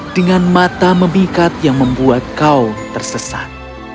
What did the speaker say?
dengan mata memikat yang membuat kau tersesat